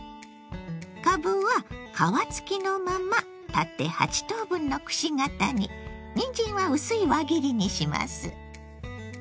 かぶは皮付きのまま縦８等分のくし形ににんじんは薄い輪切りにします。